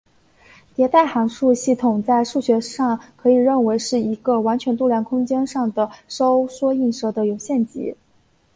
迭代函数系统在数学上可以认为是一个完全度量空间上的收缩映射的有限集。